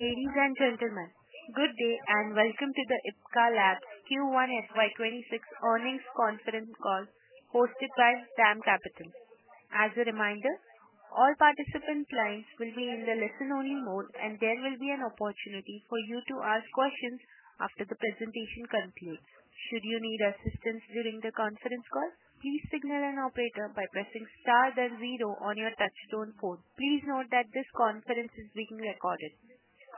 Ladies and gentlemen, good day and welcome to the Ipca Lab Q1 FY26 Earnings Conference Call hosted by DAM Capital. As a reminder, all participant lines will be in the listen-only mode, and there will be an opportunity for you to ask questions after the presentation completes. Should you need assistance during the conference call, please signal an operator by pressing star then zero on your touchstone phone. Please note that this conference is being recorded.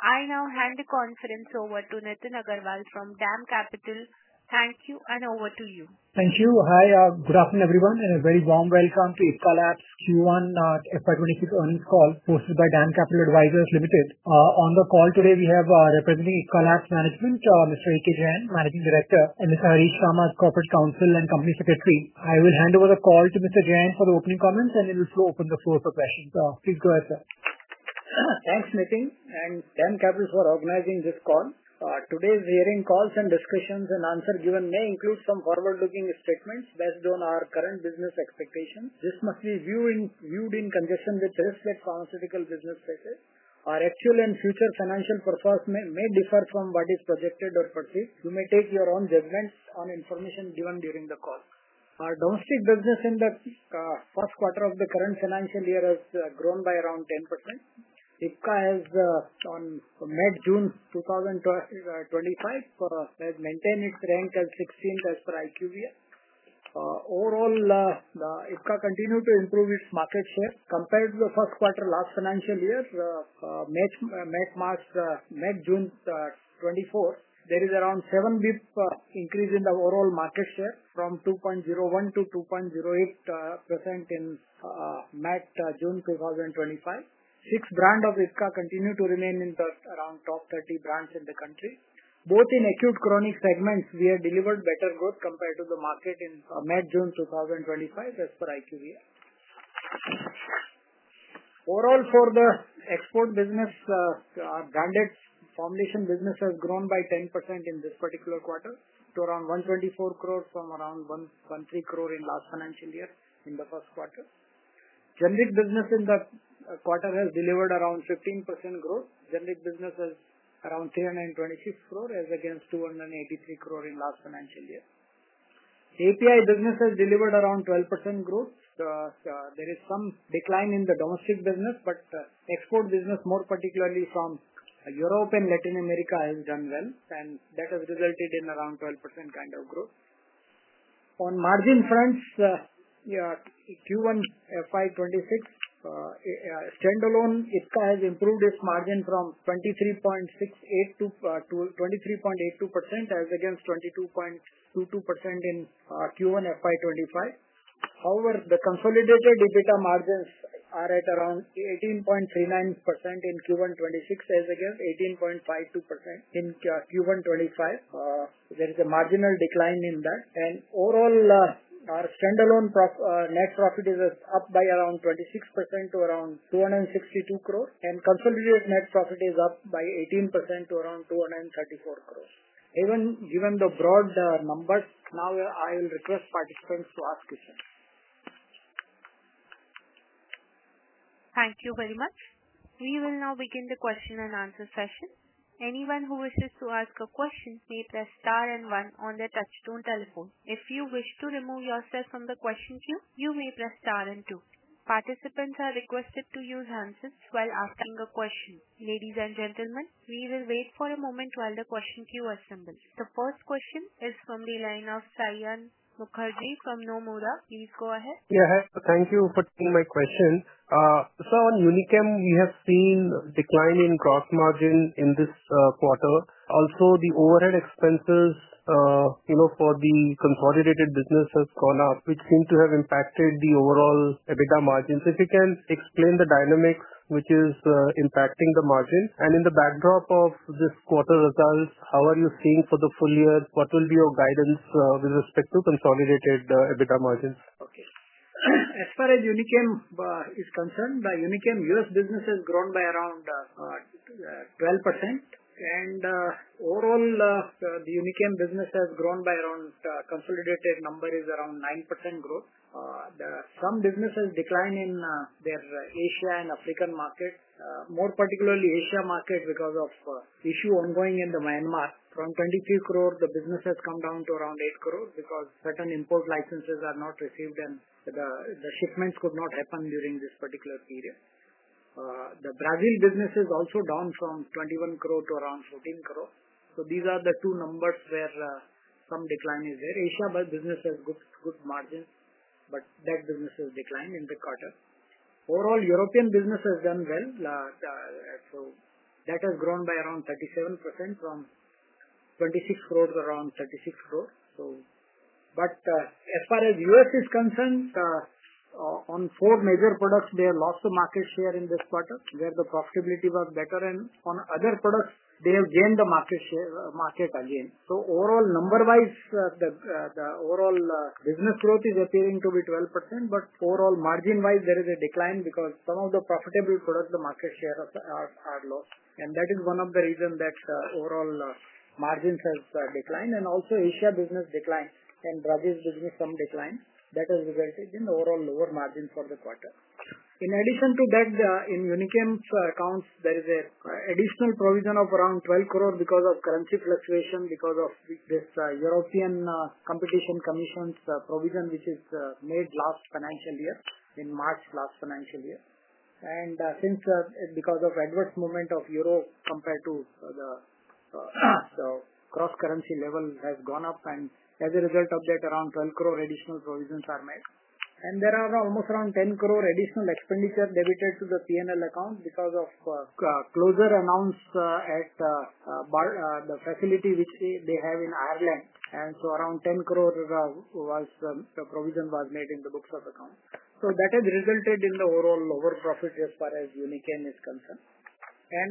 I now hand the conference over to Nitin Agarwal from DAM Capital. Thank you and over to you. Thank you. Hi, good afternoon everyone, and a very warm welcome to Ipca Lab Q1 FY26 Earnings Call hosted by DAM Capital Advisors Limited. On the call today, we have representing Ipca Lab Management, Mr. Ajit Jain, Managing Director, and Mr. Harish Sharma, Corporate Counsel and Company Secretary. I will hand over the call to Mr. Jain for the opening comments, and then we'll open the floor for questions. Please go ahead, sir. Thanks, Nitin, and DAM Capital for organizing this call. Today's hearing calls and discussions and answers given may include some forward-looking statements based on our current business expectations. This must be viewed in conjunction with the rest of the pharmaceutical business sector. Our actual and future financial performance may differ from what is projected or foreseen. You may take your own judgments on information given during the call. Our domestic business index, the first quarter of the current financial year, has grown by around 10%. Ipca Laboratories Ltd has, from June 2025, maintained its rank as 16th as per IQVIA. Overall, Ipca Laboratories Ltd continues to improve its market share compared to the first quarter last financial year. June 2024, there is around a 7 bps increase in the overall market share from 2.01% to 2.08% in June 2025. Its brand of Ipca continues to remain in the around top 30 brands in the country. Both in acute and chronic segments, we have delivered better growth compared to the market in June 2025 as per IQVIA. Overall, for the export business, our branded formulations business has grown by 10% in this particular quarter to around 124 crore from around 113 crore in last financial year in the first quarter. Generic formulations business in that quarter has delivered around 15% growth. Generic formulations business has around 326 crore against 283 crore in last financial year. Active pharmaceutical ingredients (API) business has delivered around 12% growth. There is some decline in the domestic business, but export business, more particularly from Europe and Latin America, has done well, and that has resulted in around 12% kind of growth. On margin fronts, Q1 FY2026, standalone, Ipca Laboratories Ltd has improved its margin from 23.68% to 23.82% as against 22.22% in Q1 F20Y25. However, the consolidated EBITDA margin is at around 18.39% in Q1 FY2026 as against 18.52% in Q1 FY2025. There is a marginal decline in that, and overall, our standalone net profit is up by around 26% to around 262 crore, and consolidated net profit is up by 18% to around 234 crore. Even given the broad numbers, now I'll request participants to ask questions. Thank you very much. We will now begin the question and answer session. Anyone who wishes to ask a question may press star then one on their touchstone telephone. If you wish to remove yourself from the question queue, you may press star then two. Participants are requested to use answers well after asking a question. Ladies and gentlemen, we will wait for a moment while the question queue assembles. The first question is from the line of Sayyad Mukherjee from Nomura. Please go ahead. Yeah, thank you for taking my question. Sir, on Unichem, we have seen a decline in gross margin in this quarter. Also, the overhead expenses, you know, for the consolidated business has gone up, which seem to have impacted the overall EBITDA margins. If you can explain the dynamics which is impacting the margins and in the backdrop of this quarter's results, how are you seeing for the full year? What will be your guidance with respect to consolidated EBITDA margins? Okay. As far as Unichem is concerned, the Unichem U.S. business has grown by around 12%, and overall, the Unichem business has grown by around, the consolidated number is around 9% growth. Some businesses declined in their Asia and African markets, more particularly Asia markets because of issues ongoing in Myanmar. From 23 crore, the business has come down to around 8 crore because certain import licenses are not received, and the shipments could not happen during this particular period. The Brazil business is also down from 21 crore to around 14 crore. These are the two numbers where some decline is there. Asia business has good margins, but that business has declined in the quarter. Overall, European business has done well. That has grown by around 37% from 26 crore to around 36 crore. As far as the U.S. is concerned, on four major products, they have lost the market share in this quarter where the profitability was better, and on other products, they have gained the market share again. Overall, number-wise, the overall business growth is appearing to be 12%, but overall, margin-wise, there is a decline because some of the profitable products, the market share are low, and that is one of the reasons that overall margins have declined, and also Asia business declined, and Brazil business some declined. That has resulted in the overall lower margins for the quarter. In addition to that, in Unichem accounts, there is an additional provision of around 12 crore because of currency fluctuation, because of this European Competition Commission's provision, which is made last financial year, in March last financial year. Since because of the adverse movement of euro compared to the cross-currency level has gone up, as a result of that, around 12 crore additional provisions are made. There are almost around 10 crore additional expenditure debited to the P&L account because of closure announced at the facility which they have in Ireland. Around 10 crore was the provision made in the books of account. That has resulted in the overall lower profits as far as Unichem is concerned.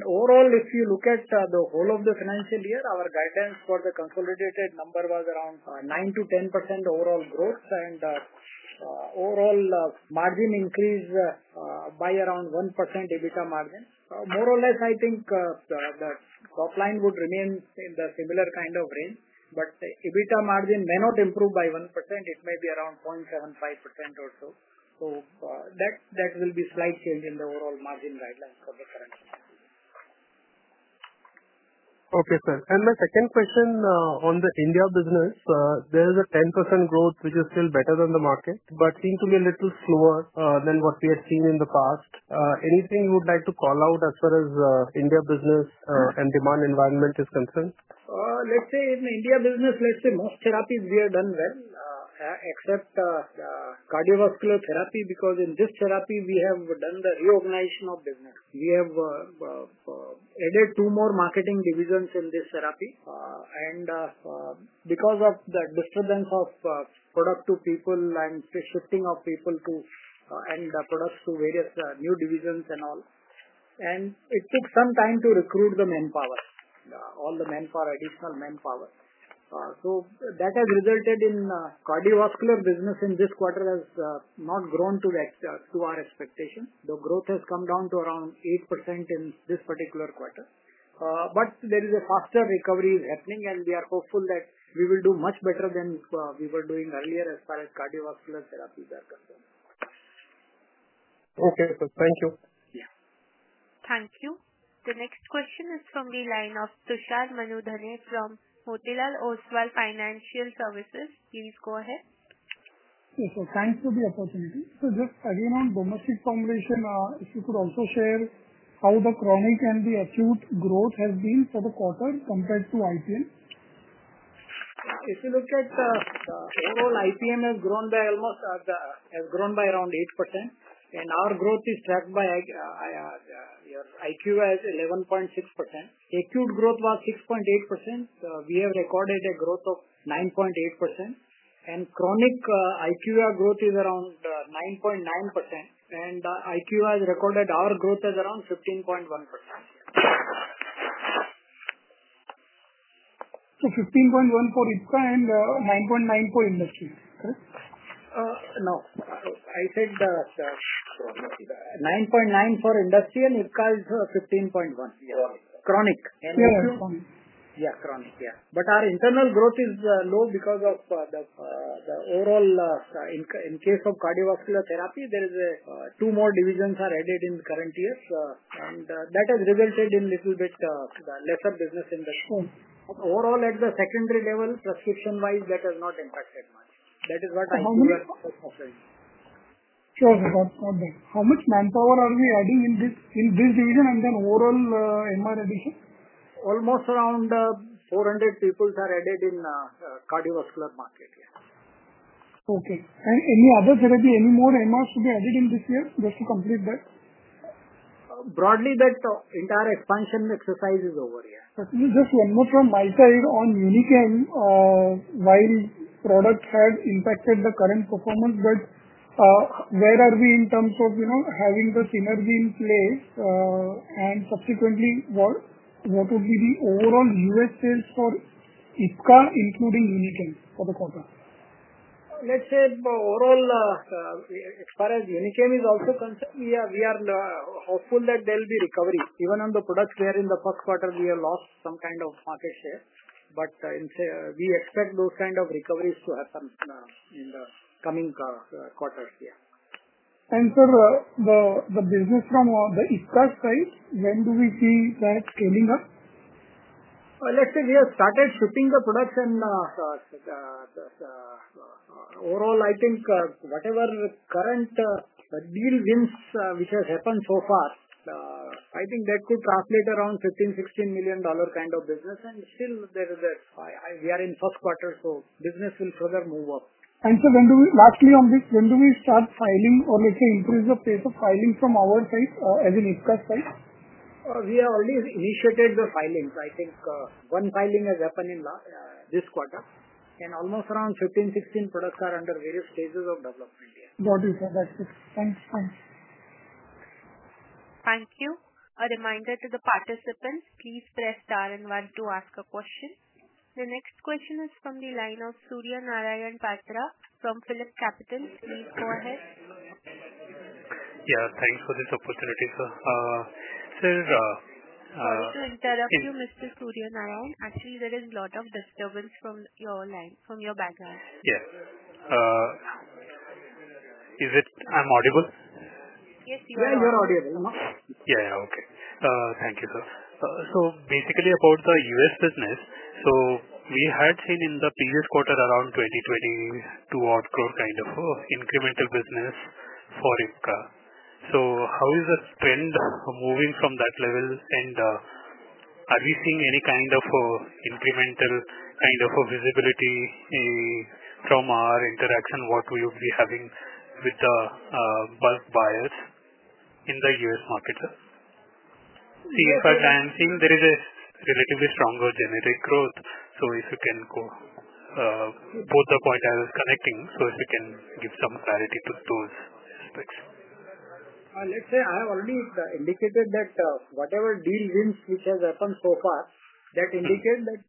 Overall, if you look at the whole of the financial year, our guidance for the consolidated number was around 9%-10% overall growth, and the overall margin increased by around 1% EBITDA margin. More or less, I think the top line would remain in the similar kind of range, but EBITDA margin may not improve by 1%. It may be around 0.75% or so. That will be a slight change in the overall margin guidelines for the currency. Okay, sir. My second question on the India business, there is a 10% growth, which is still better than the market, but seems to be a little slower than what we have seen in the past. Anything you would like to call out as far as India business and demand environment is concerned? Let's say in India business, most therapies we have done well, except the cardiovascular therapy, because in this therapy, we have done the reorganization of business. We have added two more marketing divisions in this therapy, and because of the disturbance of product to people and shifting of people to and the products to various new divisions, it took some time to recruit the manpower, all the additional manpower. That has resulted in cardiovascular business in this quarter has not grown to our expectation. The growth has come down to around 8% in this particular quarter, but there is a faster recovery happening, and we are hopeful that we will do much better than we were doing earlier as far as cardiovascular therapies are concerned. Okay, sir. Thank you. Thank you. The next question is from the line of Tushar Manudhane from Motilal Oswal Financial Services. Please go ahead. Okay, thanks for the opportunity. Just again on Ipca's formulation, if you could also share how the chronic and the acute growth has been for the quarter compared to IPM? If you look at the overall, IPM has grown by around 8%, and our growth is tracked by IQVIA as 11.6%. Acute growth was 6.8%. We have recorded a growth of 9.8%, and chronic IQVIA growth is around 9.9%, and IQVIA has recorded our growth as around 15.1%. 15.1% for Ipca and 9.9% for industries, correct? No, I said 9.9% for industrial. Ipca is 15.1%. Yeah. Chronic. Yeah, chronic. Yeah, chronic. Yeah. Our internal growth is low because of the overall, in case of cardiovascular therapy, there are two more divisions added in the current years, and that has resulted in this, that the lesser business in the home. Overall, at the secondary level, prescription-wise, that has not impacted much. That is what I'm aware of. Sure. How much manpower are we adding in this division, and then overall MR addition? Almost around 400 people are added in the cardiovascular market. Okay. Any other therapy, any more MRs to be added in this year just to complete that? Broadly, that entire expansion exercise is over. Yeah. Just one more from Michael on Unichem. While products have impacted the current performance, where are we in terms of having the synergy in place, and subsequently what would be the overall U.S. sales for Ipca including Unichem for the quarter? Let's say overall, as far as Unichem is also concerned, we are hopeful that there will be recovery. Even on the products there in the first quarter, we have lost some kind of market share, but we expect those kind of recoveries to happen in the coming quarters. Sir, the business from the Ipca side, when do we see that scaling up? Let's say we have started shipping the products and the overall items, whatever current deal gives, which has happened so far, I think that could translate around $15 million, $16 million kind of business. We are in first quarter, so business will further move up. When do we, lastly on this, when do we start filing or let's say improve the pace of filing from our side or as an Ipca side? We have already initiated the filings. I think one filing has happened in this quarter, and almost around 15, 16 products are under various stages of development. Got it. That's fine. Thank you. A reminder to the participants, please press star then one to ask a question. The next question is from the line of Surya Narayan Patra from Philips Capital. Please go ahead. Yeah, thanks for this opportunity, sir. Sorry to interrupt you, Mr. Surya Narayan. Actually, there is a lot of disturbance from your line, from your background. Yes, am I audible? Yes, you are. Yeah, you're audible. Thank you, sir. Basically, about the U.S. business, we had seen in the previous quarter around 2,022 crore kind of incremental business for Ipca. How is the trend moving from that level? Are we seeing any kind of incremental kind of visibility from our interaction? What will you be having with the bulk buyers in the U.S. market? In fact, I'm seeing there is a relatively stronger generic growth. If you can go for the quarter's connecting, if you can give some clarity to those aspects. I already indicated that whatever deal gives, which has happened so far, that indicates that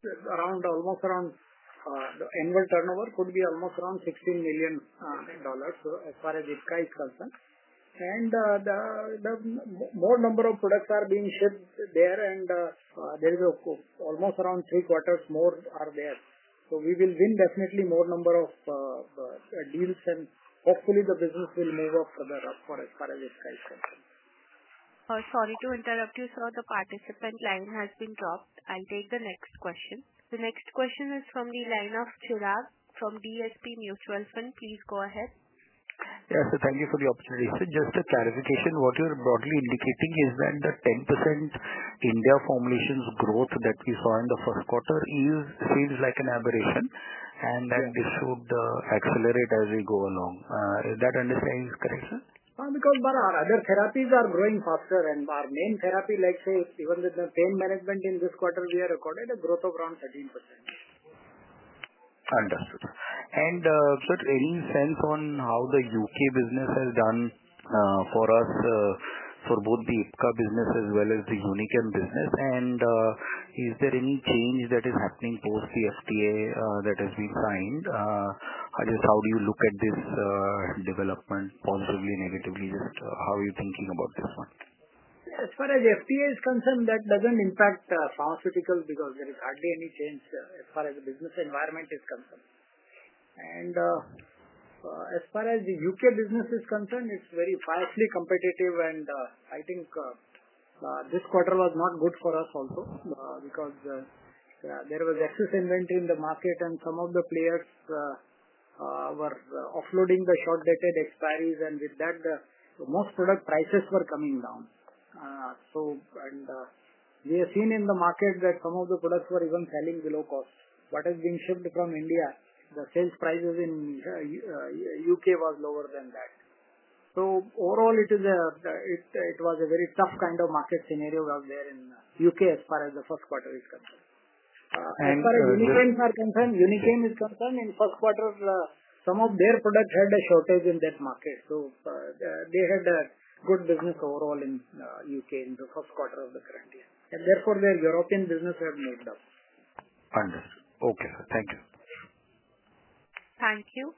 almost around the annual turnover could be almost around $16 million as far as Ipca is concerned. The more number of products are being shipped there, and there is almost around three quarters more are there. We will win definitely more number of deals, and hopefully, the business will move up further according to the price set. Sorry to interrupt you, sir. The participant line has been dropped. I'll take the next question. The next question is from the line of Chirag from BSP Mutual Fund. Please go ahead. Thank you for the opportunity. Just to clarification, what you're broadly indicating is that the 10% India formulations growth that we saw in the first quarter feels like an aberration, and then we saw the accelerate as we go along. Is that understanding correctly? Because our other therapies are growing faster, and our main therapy, let's say, even with the pain management in this quarter, we have recorded a growth of around 13%. Understood. Sir, any sense on how the UK business has done for us for both the Ipca business as well as the Unichem business? Is there any change that is happening post the FTA that has declined? I guess, how do you look at this development positively and negatively? Just how are you thinking about this one? As far as FTA is concerned, that doesn't impact pharmaceuticals because there is hardly any change as far as the business environment is concerned. As far as the UK business is concerned, it's very fastly competitive, and I think this quarter was not good for us also because there was excess inventory in the market, and some of the players were offloading the short-dated expires, and with that, the most product prices were coming down. We have seen in the market that some of the products were even selling below cost. What has been shipped from India, the sales prices in the UK were lower than that. Overall, it was a very tough kind of market scenario out there in the UK as far as the first quarter is concerned. As far as Unichem is concerned, in the first quarter, some of their products had a shortage in that market. They had a good business overall in the UK in the first quarter of the current year. Therefore, the European business has moved up. Understood. Okay, thank you. Thank you.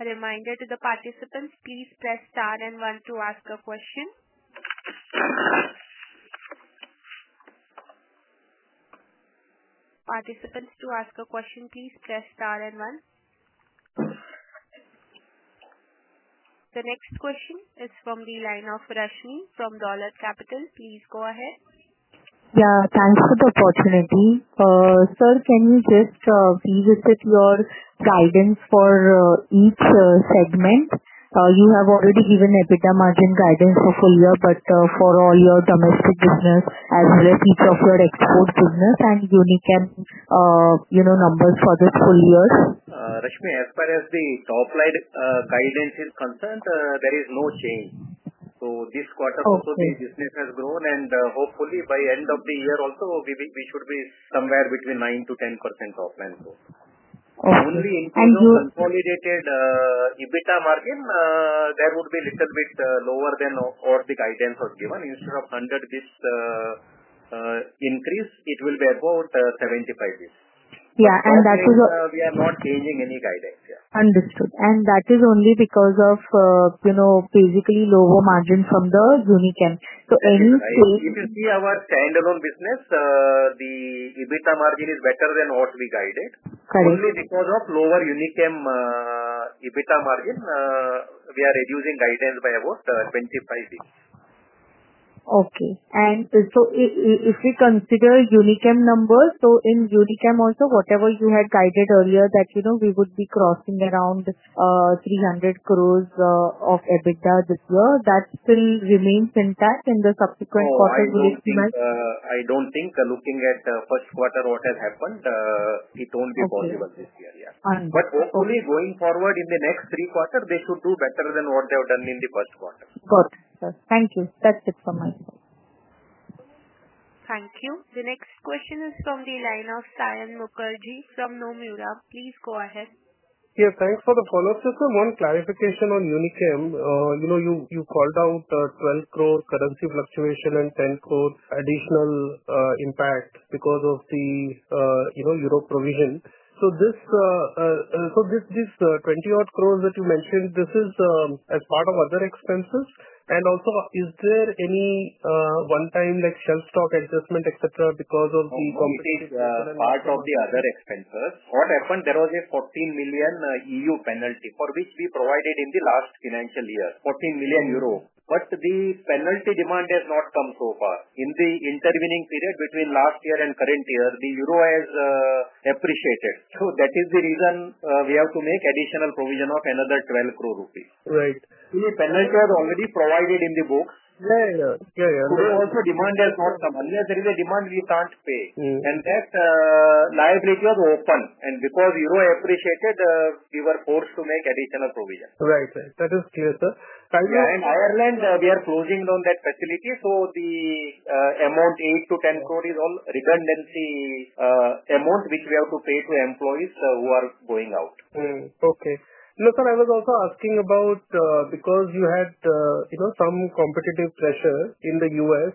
A reminder to the participants, please press star then one to ask a question. Participants, to ask a question, please press star then one. The next question is from the line of Rashmmi from Dolat Capital. Please go ahead. Yeah, thanks for the opportunity. Sir, can you just revisit your guidance for each segment? You have already given EBITDA margin guidance for full year, but for all your domestic business and breakup of your export business and Unichem, you know, numbers for this full year? Rashmi, as far as the top line guidance is concerned, there is no change. This quarter also the business has grown, and hopefully, by the end of the year, we should be somewhere between 9%-10% top line. And you. Only in terms of consolidated EBITDA margin, that would be a little bit lower than what the guidance was given. Instead of 100 bps increase, it will be about 75 bps. Yeah, that is. We are not changing any guidance. Yeah. Understood. That is only because of, you know, basically lower margin from the Unichem. So ends to. If you see our standalone business, the EBITDA margin is better than what we guided. Only because of lower Unichem EBITDA margin, we are reducing guidance by about 25 bps. Okay. If we consider Unichem numbers, in Unichem also, whatever you had guided earlier that, you know, we would be crossing around 300 crore of EBITDA this year, that still remains intact in the subsequent quarter? I don't think, looking at the first quarter, what has happened, it won't be possible this year. Understood. Going forward in the next three quarters, they should do better than what they have done in the first quarter. Got it. Thank you. That's it from my side. Thank you. The next question is from the line of Saion Mukherjee from Nomura. Please go ahead. Yeah, thanks for the follow-up, sir. One clarification on Unichem. You know, you called out 12 crore currency fluctuation and 10 crore additional impact because of the Europe provision. This 20-odd crore that you mentioned, this is as part of other expenses. Also, is there any one-time like shelf stock assessment, etc., because of the company's? That is part of the other expenses. On that one, there was a €14 million penalty for which we provided in the last financial year, €14 million. The penalty demand has not come so far. In the intervening period between last year and current year, the euro has appreciated. That is the reason we have to make additional provision of another 12 crore rupees. Right. You know, penalty was already provided in the books. Yeah, yeah. Demand has not come. Unless there is a demand, we can't pay. That liability was open, and because we were appreciated, we were forced to make additional provision. Right, right. That is clear, sir. In Ireland, we are closing down that facility. The amount 8 crore-10 crore is on redundancy amount, which we have to pay to employees who are going out. Okay. Sir, I was also asking about because you had some competitive pressure in the U.S.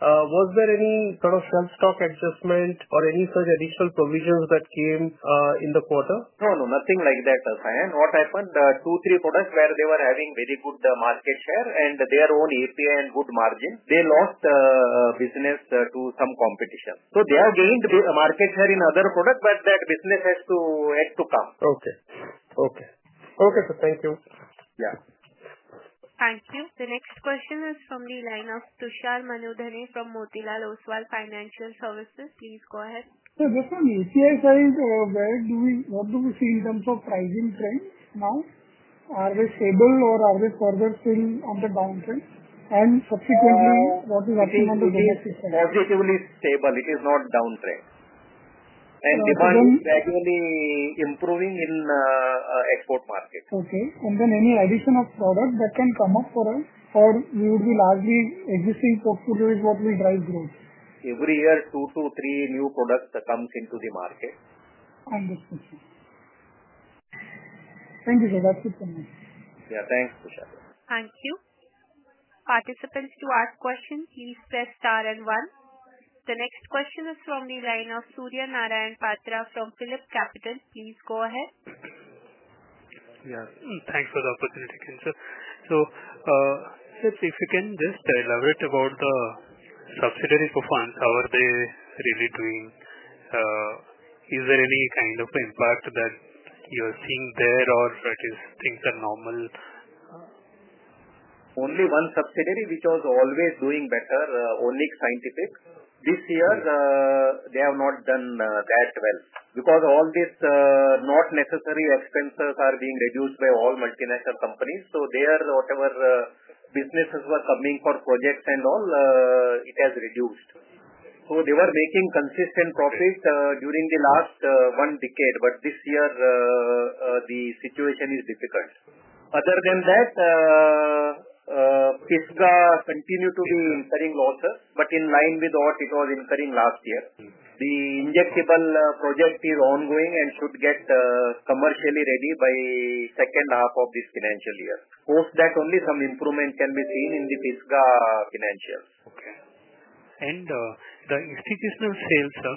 Was there any sort of shelf stock adjustment or any sort of additional provisions that came in the quarter? No, nothing like that, Saion. What happened, two, three products where they were having very good market share and their own API and good margin, they lost business to some competition. They are gaining market share in other products, but that business has to come. Okay. Okay. Okay, sir. Thank you. Yeah. Thank you. The next question is from the line ofTushar Manudhane from Motilal Oswal Financial Services. Please go ahead. Yeah, just on UCSI's growth, what do we see in terms of rising trends now? Are they stable or are they further still on the downtrend? Subsequently, what is happening on the domestic market? They are relatively stable. It is not a downtrend, and demand is gradually improving in export markets. Okay. On the many addition of products that can come up for us, or we would be largely existing portfolio is probably dry growth? Every year, two to three new products come into the market. Understood. Thank you, sir. That's it from me. Yeah, thanks, Sushal. Thank you. Participants, to ask questions, please press star then one. The next question is from the line of Surya Narayan Patra from PhillipCapital. Please go ahead. Thank you for the opportunity, sir. Sir, if you can just elaborate about the subsidiary performance, how are they really doing? Is there any kind of impact that you are seeing there, or that is things are normal? Only one subsidiary, which was always doing better, Onyx Scientific. This year, they have not done that well because all these not necessary expenses are being reduced by all multinational companies. Their whatever businesses were coming for projects and all, it has reduced. They were making consistent profits during the last one decade. This year, the situation is difficult. Other than that, Ipca Laboratories Ltd continues to be incurring losses, but in line with what it was incurring last year. The India Cable project is ongoing and should get commercially ready by the second half of this financial year. Post that, only some improvement can be seen in the Ipca Laboratories Ltd financials. Okay. The institutional sales, sir,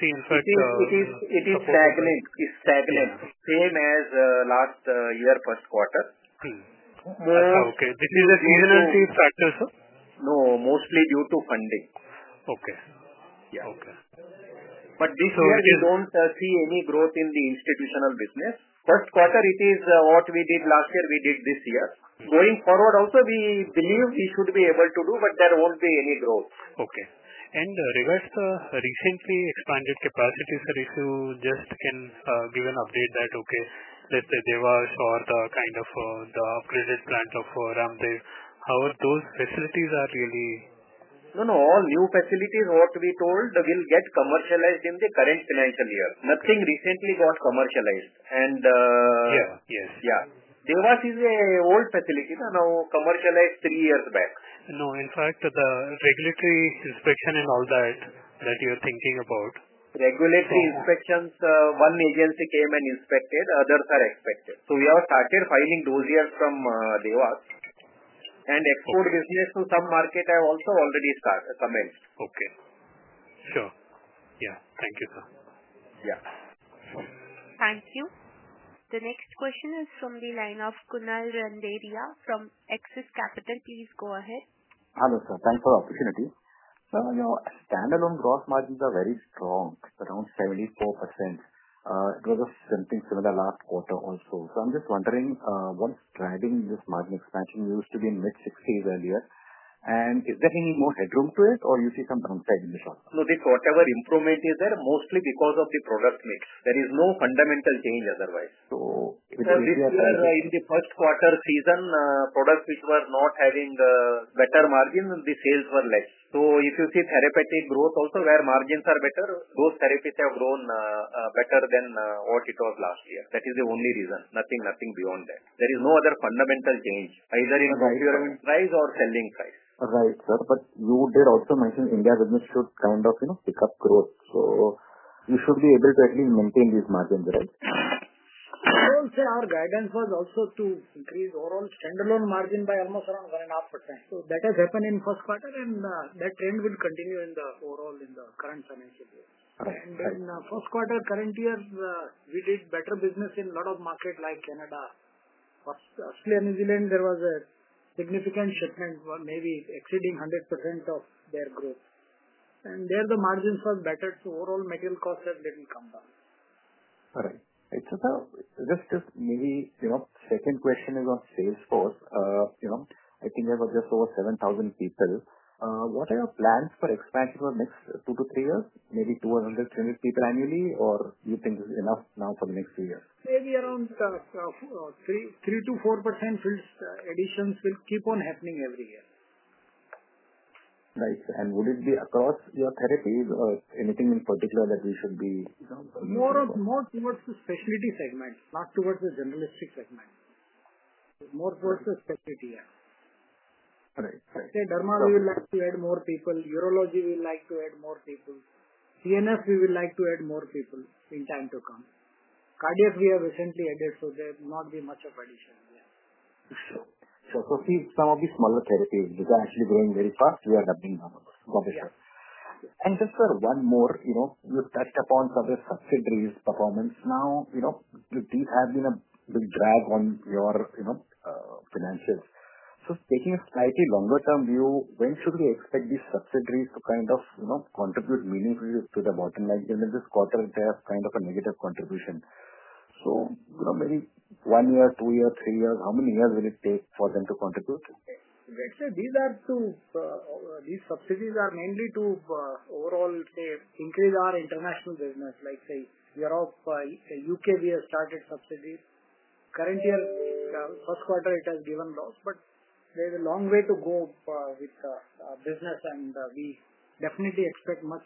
seems that it is. It is stagnant. Same as last year, first quarter. Okay. This is a seasonality factor, sir? No, mostly due to funding. Okay. Yeah, okay. This year, we don't see any growth in the institutional business. What we did last year, we did this year. Going forward also, we believe we should be able to do, but there won't be any growth. Okay. Regarding the recently expanded capacity, sir, if you just can give an update that, okay, let's say they were for the kind of the upgraded plants of Ramday, how those facilities are really. No, no. All new facilities, what we told, will get commercialized in the current financial year. Nothing recently got commercialized. Yeah, Devas is an old facility that now commercialized three years back. No, in fact, the regulatory inspection and all that you're thinking about. Regulatory inspections, one agency came and inspected. Others are expected. We have started filing those years from Devas, and export business to some market has also already commenced. Okay, sure. Yes, thank you, sir. Yeah. Thank you. The next question is from the line of Kunal Randeria from Axis Capital. Please go ahead. Hello, sir. Thanks for the opportunity. Sir, your standalone gross margins are very strong, around 74%. It was something similar last quarter also. I'm just wondering, what's driving this margin expansion? You used to be in mid-60s earlier. Is there any more headroom to it, or you see some downside in the short term? No, this quarter, whatever improvement is there is mostly because of the product needs. There is no fundamental change otherwise. It’s very good. In the first quarter season, products which were not having better margins, the sales were less. If you see therapeutic growth also, where margins are better, those therapies have grown better than what it was last year. That is the only reason. Nothing beyond that. There is no other fundamental change, either in the guideline price or selling price. Right, sir. You did also mention India business should kind of, you know, pick up growth. We should be able to actually maintain these margins also. I would say our guidance was also to increase overall standalone margin by almost around 1.5%. That has happened in the first quarter, and that trend will continue overall in the current financial year. In the first quarter of the current year, we did better business in a lot of markets like Canada. For Australia, New Zealand, there was a significant shipment, maybe exceeding 100% of their growth, and there the margins were better. Overall, material costs have really come down. All right. Maybe the second question is on sales force. I think there were just over 7,000 people. What are your plans for expansion for the next two to three years, maybe 200, 300 people annually, or do you think this is enough now for the next few years? Maybe around 3%-4% sales additions will keep on happening every year. Right. Would it be across your therapies or anything in particular that we should be? More towards the specialty segments, not towards the generalistic segment. More towards the specialty, yeah. Right. Derma, we would like to add more people. Urology, we would like to add more people. CNS, we would like to add more people in time to come. Cardiac, we have recently added, so there might not be much of addition there. Sure. Some of these smaller therapies, which are actually growing very fast, we are adopting them. Yeah. You touched upon some of the subsidiaries' performance now. They have been a big drag on your finances. Taking a slightly longer-term view, when should we expect these subsidiaries to contribute meaningfully to the bottom line? In this quarter, they have kind of a negative contribution. Maybe one year, two years, three years, how many years will it take for them to contribute? Actually, these are two, these subsidiaries are mainly to overall, say, increase our international business. Like, say, Europe, UK, we have started subsidiaries. Current year, first quarter, it has given loss, but there is a long way to go with business, and we definitely expect much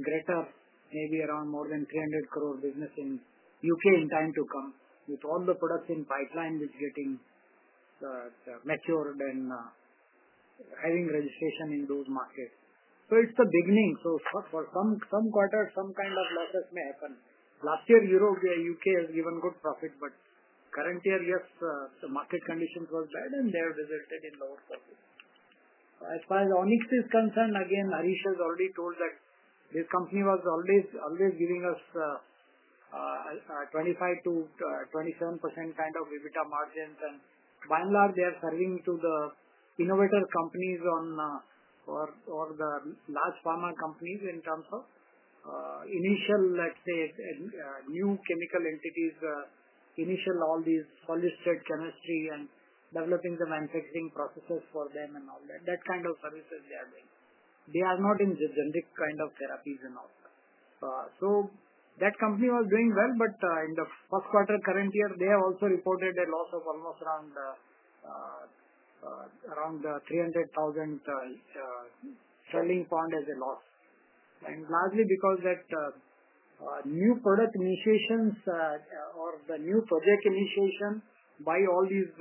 greater, maybe around more than 300 crore business in the UK in time to come with all the products in pipeline, which is getting matured and having registration in those markets. It's the beginning. For some quarters, some kind of losses may happen. Last year, UK has given good profit, but current year, yes, the market conditions were bad, and they have resulted in lower profit. As far as Onyx Scientific is concerned, again, Harish has already told that this company was always giving us 25%-27% kind of EBITDA margins. By and large, they are serving to the innovative companies or the large pharma companies in terms of initial, let's say, new chemical entities, initial all these holistic chemistry and developing the manufacturing processes for them and all that. That kind of services they are doing. They are not in the generic kind of therapies and all that. That company was doing well, but in the first quarter of current year, they have also reported a loss of almost around INR 300,000 selling points as a loss. Largely because new product initiations or the new project initiation by all these,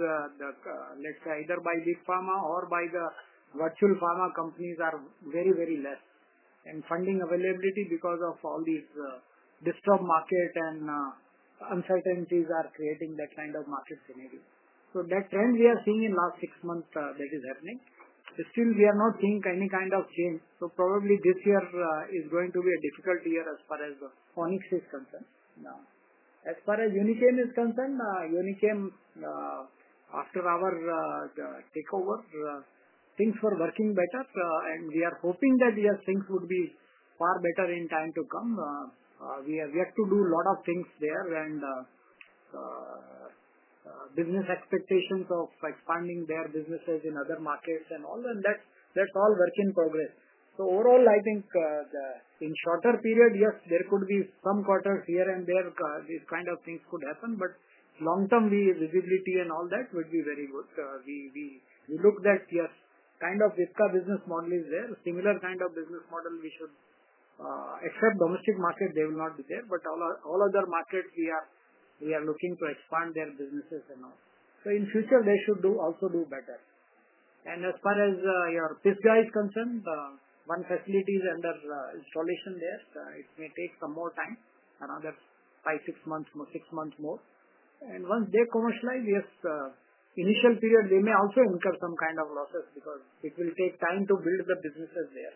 let's say, either by these pharma or by the virtual pharma companies are very, very less. Funding availability because of all these disturbed markets and uncertainties are creating that kind of market scenario. That trend we are seeing in the last six months that is happening. Still, we are not seeing any kind of change. Probably this year is going to be a difficult year as far as Onyx Scientific is concerned. Now, as far as Unichem is concerned, Unichem, after our takeover, things were working better, and we are hoping that, yes, things would be far better in time to come. We have yet to do a lot of things there, and business expectations of expanding their businesses in other markets and all that, that's all work in progress. Overall, I think, in a shorter period, yes, there could be some quarters here and there, these kind of things could happen, but long-term, the visibility and all that would be very good. We look that, yes, kind of Ipca business model is there. A similar kind of business model we should assure domestic market, they will not be there, but all our other markets, we are looking to expand their businesses and all. In the future, they should also do better. As far as your Ipca is concerned, one facility is under installation there. It may take some more time, around five, six months, six months more. Once they commercialize, yes, initial period, they may also incur some kind of losses because it will take time to build the businesses there.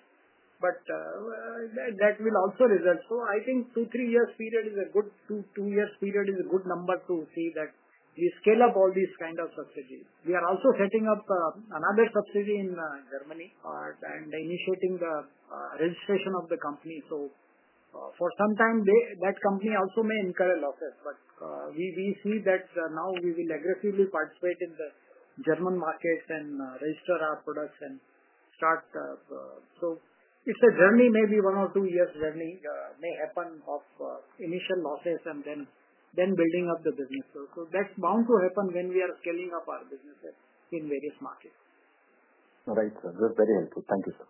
That will also result. I think two, three years period is a good, two, two years period is a good number to see that we scale up all these kind of subsidies. We are also setting up another subsidy in Germany and initiating the registration of the company. For some time, that company also may incur losses, but we see that now we will aggressively participate in the German markets and register our products and start. It's a journey, maybe one or two years journey may happen of initial losses and then building up the business. That's bound to happen when we are scaling up our businesses in various markets. All right, sir. That's very helpful. Thank you, sir.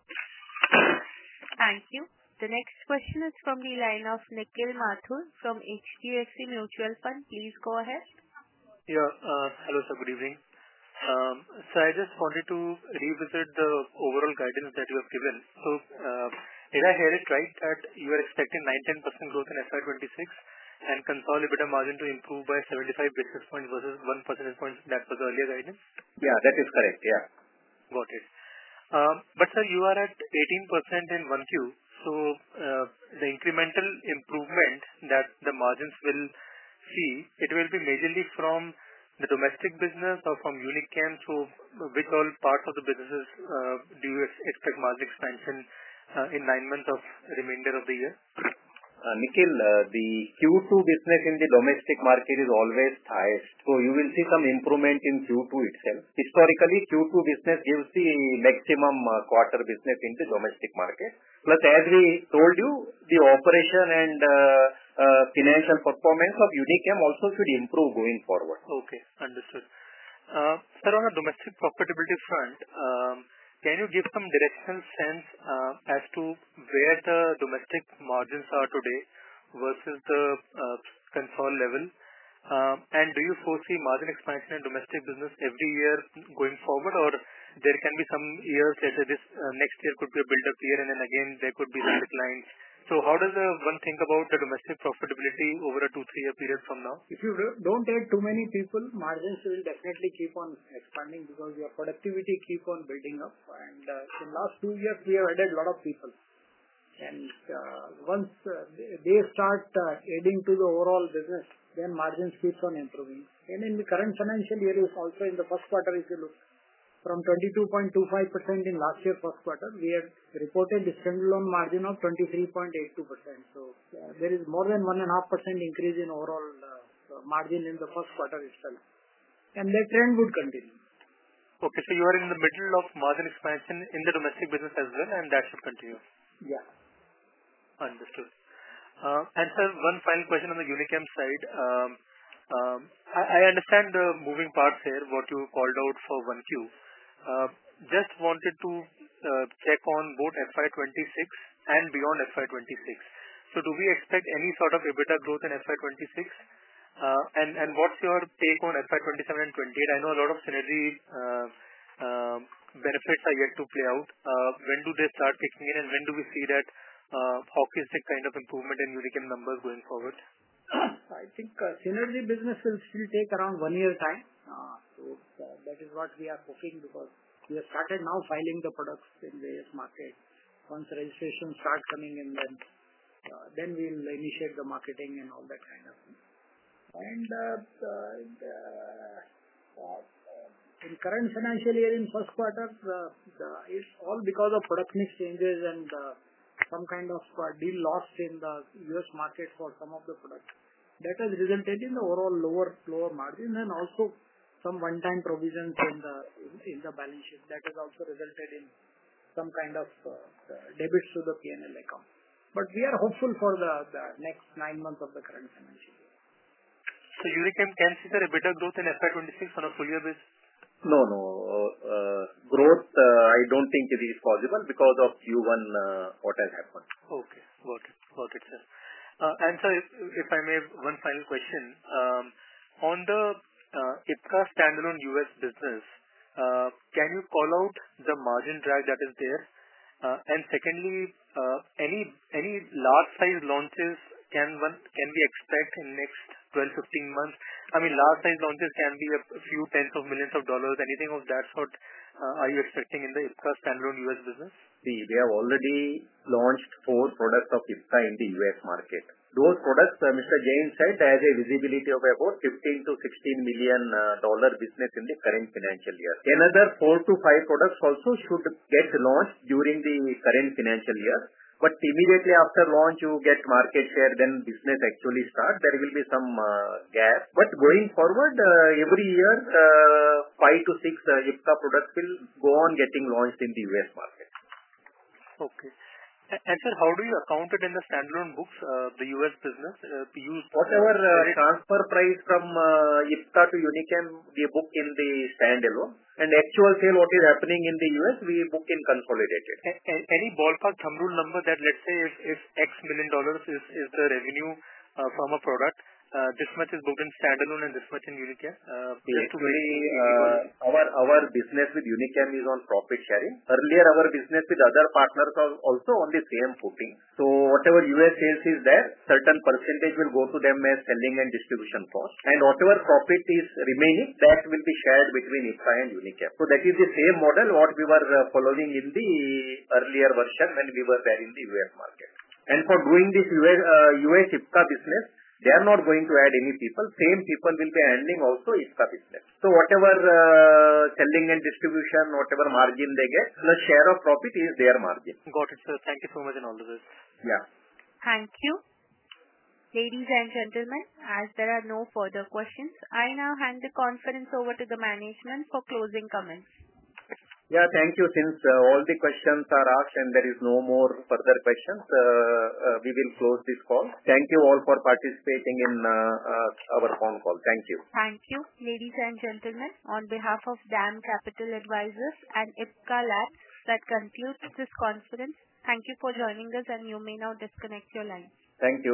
Thank you. The next question is from the line of Nikhil Mathur from HQSC Mutual Fund. Please go ahead. Yeah. Hello, sir. Good evening. Sir, I just wanted to revisit the overall guidance that you have given. Did I hear it right that you are expecting 9%, 10% growth in FY2026 and consolidated margin to improve by 75 basis points versus 1% of points that was earlier guidance? Yeah, that is correct. Yeah. Got it. But sir, you are at 18% in 1Q. The incremental improvement that the margins will see, will it be majorly from the domestic business or from Unichem? To which all parts of the businesses do you expect margin expansion in nine months of the remainder of the year? Nikhil, the Q2 business in the domestic market is always highest. You will see some improvement in Q2 itself. Historically, Q2 business gives the maximum quarter business in the domestic market. Plus, as we told you, the operation and financial performance of Unichem also should improve going forward. Okay. Understood. Sir, on a domestic profitability front, can you give some directional sense as to where the domestic margins are today versus the consolidation level? Do you foresee margin expansion in domestic business every year going forward, or there can be some years such as this next year could be a build-up year, and then again, there could be some declines? How does one think about the domestic profitability over a two, three-year period from now? If you don't add too many people, margins will definitely keep on expanding because your productivity keeps on building up. In the last two years, we have added a lot of people. Once they start adding to the overall business, margins keep on improving. In the current financial year, also in the first quarter, if you look from 22.25% in last year's first quarter, we have reported a standalone margin of 23.82%. There is more than 1.5% increase in overall margin in the first quarter itself. That trend would continue. You are in the middle of margin expansion in the domestic business as well, and that should continue. Yeah. Understood. Sir, one final question on the Unichem side. I understand the moving parts there, what you called out for 1Q. I just wanted to check on both FY2026 and beyond FY2026. Do we expect any sort of EBITDA growth in FY2026? What's your take on FY2027 and FY2028? I know a lot of synergy benefits are yet to play out. When do they start kicking in, and when do we see that hawkish kind of improvement in Unichem numbers going forward? I think synergy business will still take around one year time. That is what we are hoping because we have started now filing the products in various markets. Once registration starts coming in, then we will initiate the marketing and all that kind of thing. In the current financial year, in the first quarter, it's all because of production exchanges and some kind of deal loss in the U.S. market for some of the products. That has resulted in the overall lower margin and also some one-time provisions in the balance sheet. That has also resulted in some kind of debits to the P&L account. We are hopeful for the next nine months of the current financial year. Can Unichem see their EBITDA growth in FY2026 on a full-year basis? No, growth, I don't think it is possible because of Q1, what has happened. Okay. Got it. Got it, sir. If I may, one final question. On the Ipca standalone U.S. business, can you call out the margin drag that is there? Secondly, any large-sized launches can one be expected in the next 12 months, 15 months? I mean, large-sized launches can be a few tens of millions of dollars. Anything of that sort, are you expecting in the Ipca standalone U.S. business? We have already launched four products of Ipca in the U.S. market. Those products, Mr. Jain said, have a visibility of about $15-$16 million business in the current financial year. Another four to five products also should get launched during the current financial year. Immediately after launch, you get market share, then business actually starts. There will be some gap. Going forward, every year, five to six Ipca products will go on getting launched in the U.S. market. Okay. Sir, how do you account it in the standalone books, the US business? Whatever transfer price from Ipca to Unichem, we book in the standalone. The actual sale, what is happening in the US, we book in consolidated. Any ballpark thumb rule number that, let's say, if X million dollars is the revenue from a product, this much is booked in standalone and this much in Unichem? Because our business with Unichem is on profit sharing. Earlier, our business with other partners was also on the same footing. Whatever U.S. sales is there, a certain percentage will go to them as selling and distribution cost. Whatever profit is remaining, that's with the share between Ipca and Unichem. That is the same model we were following in the earlier version, and we were there in the U.S. market. For doing this U.S. Ipca business, they are not going to add any people. The same people will be handling also Ipca business. Whatever selling and distribution, whatever margin they get, the share of profit is their margin. Got it. Thank you so much and all the best. Yeah. Thank you. Ladies and gentlemen, as there are no further questions, I now hand the conference over to the management for closing comments. Thank you. Since all the questions are asked and there are no more further questions, we will close this call. Thank you all for participating in our phone call. Thank you. Thank you. Ladies and gentlemen, on behalf of DAM Capital Advisors and Ipca Lab, that concludes this conference. Thank you for joining us, and you may now disconnect your line. Thank you.